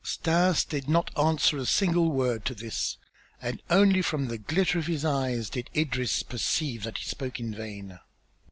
Stas did not answer a single word to this and only from the glitter of his eyes did Idris perceive that he spoke in vain.